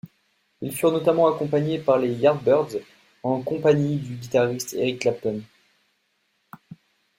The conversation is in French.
Ils furent notamment accompagnés par les Yardbirds, en compagnie du guitariste Eric Clapton.